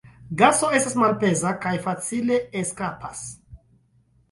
Gaso estas malpeza kaj facile eskapas.